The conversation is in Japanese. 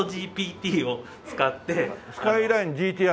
スカイラインＧＴーＲ？